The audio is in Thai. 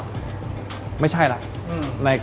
คุณต้องถ่ายละครต้องถ่ายละคร